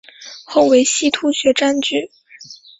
后为西突厥占据。